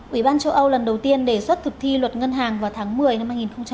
ủy ban châu âu lần đầu tiên đề xuất thực thi luật ngân hàng vào tháng một mươi năm hai nghìn một mươi chín